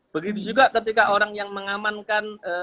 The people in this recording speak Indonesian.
begitu juga ketika orang yang mengamankan